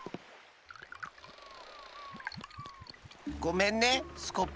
ごめんねスコップさん。